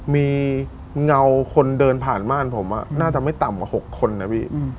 มีเงาคนเดินผ่านม่านผมน่าจะไม่ต่ำกว่า๖คนนะพี่